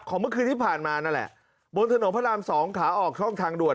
เมื่อคืนที่ผ่านมานั่นแหละบนถนนพระราม๒ขาออกช่องทางด่วน